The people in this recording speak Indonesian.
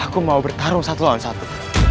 aku mau bertarung satu lawan satu